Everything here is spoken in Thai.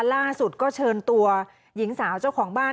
ล่าสุดก็เชิญตัวหญิงสาวเจ้าของบ้าน